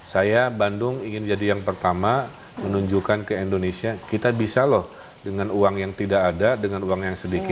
saya bandung ingin jadi yang pertama menunjukkan ke indonesia kita bisa loh dengan uang yang tidak